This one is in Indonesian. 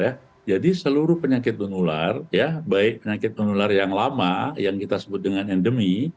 ya betul ya jadi seluruh penyakit penular baik penyakit penular yang lama yang kita sebut dengan endemi